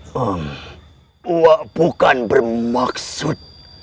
saya bukan bermaksud